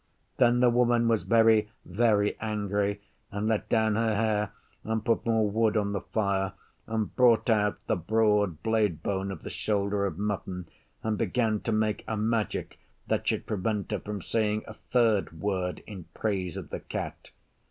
Then the Woman was very very angry, and let down her hair and put more wood on the fire and brought out the broad blade bone of the shoulder of mutton and began to make a Magic that should prevent her from saying a third word in praise of the Cat.